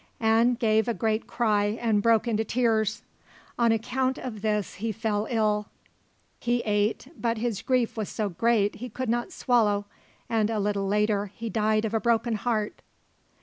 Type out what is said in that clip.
An gave a great cry and broke into tears. On account of this he fell ill. He ate, but his grief was so great he could not swallow, and a little later he died of a broken heart.